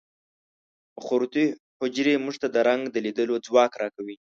مخروطي حجرې موږ ته د رنګ د لیدلو ځواک را کوي.